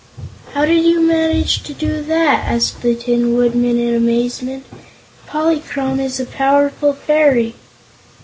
"How did you manage to do that?" asked the Tin Woodman, in amazement. "Polychrome is a powerful fairy!"